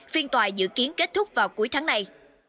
phiên tòa dự kiến kết thúc vào cuối tháng này